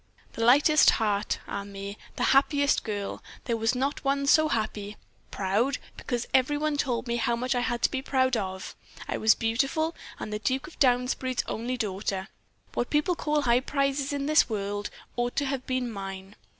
"The lightest heart ah, me! the happiest girl there was not one so happy! Proud, because every one told me how much I had to be proud of. I was beautiful, and the Duke of Downsbury's only daughter. What people call high prizes in this world ought to have been mine.